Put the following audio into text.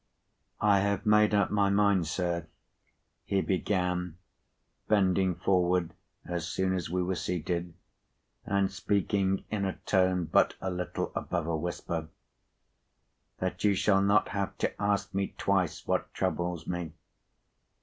"I have made up my mind, sir," he began, bending forward as soon as we were seated, and speaking in a tone but a little above a whisper, "that you shall not have to ask me twice what troubles me.